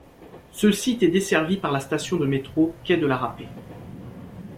Ce site est desservi par la station de métro Quai de la Rapée.